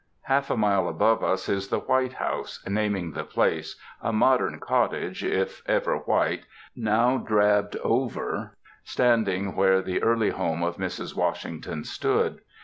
Half a mile above us is the White House, naming the place,—a modern cottage, if ever white, now drabbed over, standing where the early home of Mrs. Washington stood.